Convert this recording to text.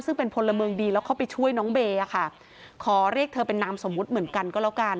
ซึ่งเป็นพลเมืองดีแล้วเข้าไปช่วยน้องเบย์อ่ะค่ะขอเรียกเธอเป็นนามสมมุติเหมือนกันก็แล้วกัน